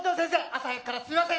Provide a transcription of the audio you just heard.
朝早くからすいません！